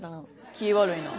気ぃ悪いな。